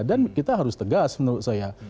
dan kita harus tegas menurut saya